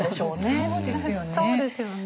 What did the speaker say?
そうですよね。